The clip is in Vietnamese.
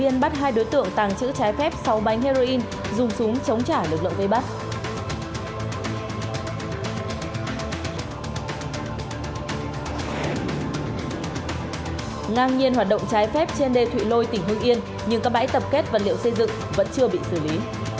ngang nhiên hoạt động trái phép trên đê thụy lôi tỉnh hưng yên nhưng các bãi tập kết vật liệu xây dựng vẫn chưa bị xử lý